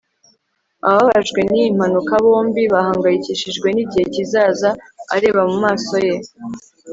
ababajwe niyi mpanuka bombi bahangayikishijwe nigihe kizaza areba mumaso ye